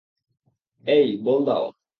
এই, বল দাও।